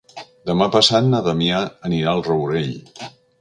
Demà passat na Damià anirà al Rourell.